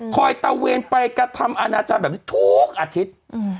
ตะเวนไปกระทำอาณาจารย์แบบนี้ทุกอาทิตย์